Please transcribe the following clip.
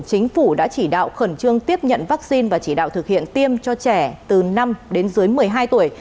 chính phủ đã chỉ đạo khẩn trương tiếp nhận vaccine và chỉ đạo thực hiện tiêm cho trẻ từ năm đến dưới một mươi hai tuổi